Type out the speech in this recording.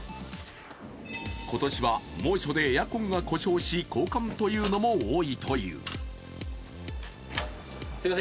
今年は猛暑でエアコンが故障し交換というのも多いという。